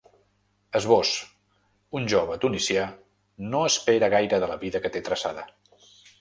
Esbós: Un jove tunisià no espera gaire de la vida que té traçada.